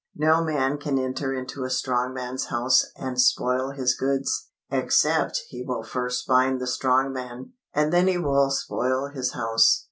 No man can enter into a strong man's house and spoil his goods, except he will first bind the strong man; and then he will spoil his house."